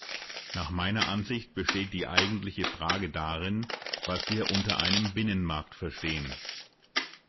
Nach meiner Ansicht besteht die eigentliche Frage darin, was wir unter einem Binnenmarkt verstehen.